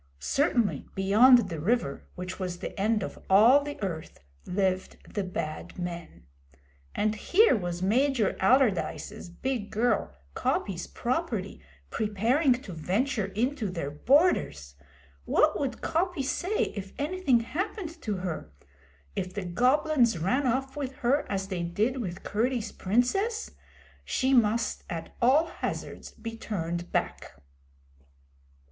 Certainly, beyond the river, which was the end of all the Earth, lived the Bad Men. And here was Major Allardyce's big girl, Coppy's property, preparing to venture into their borders! What would Coppy say if anything happened to her? If the Goblins ran off with her as they did with Curdie's Princess? She must at all hazards be turned back.